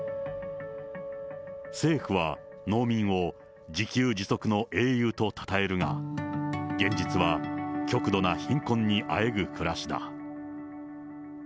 政府は、農民を自給自足の英雄とたたえるが、現実は極度な貧困にあえぐ暮らしだ。